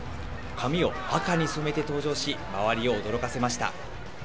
髪を赤に染めて登場し、周りを驚かせました。